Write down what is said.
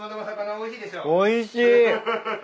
おいしい。